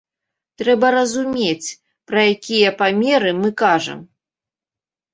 Трэба разумець, пра якія памеры мы кажам.